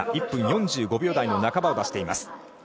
１分４５秒台の半ばを出しています。